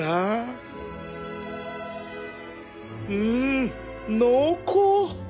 うん濃厚